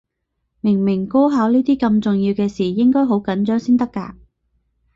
明明高考呢啲咁重要嘅事，應該好緊張先得㗎